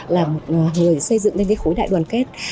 là một người xây dựng lên cái khối đại đoàn kết